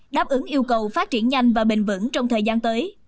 đáp ứng yêu cầu phát triển nhanh và bình vẩn trong thời gian tới